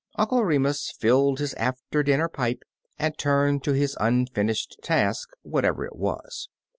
Uncle Remus filled his after dinner pipe and turned to his unfinished task, whatever it was.